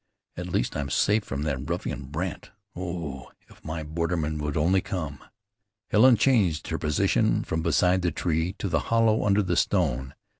At least I'm safe from that ruffian Brandt. Oh! if my borderman would only come!" Helen changed her position from beside the tree, to the hollow under the stone.